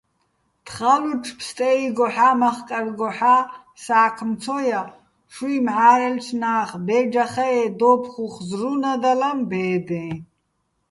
თხალუჩო̆ ფსტე́იგოჰ̦ა́ მახკარგოჰ̦ა́ სა́ქმ ცო ჲა, შუჲ მჵა́რელჩნა́ხ, ბე́ჯეხაე́ დო́უფხუხ ზრუნადალაჼ ბე́დეჼ.